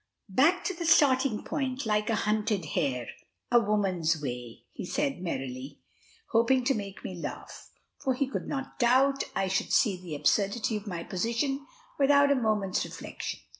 "Back to the starting point, like a hunted hare! A woman's way," he said merrily, hoping to make me laugh; for he could not doubt I should see the absurdity of my position with a moment's reflection.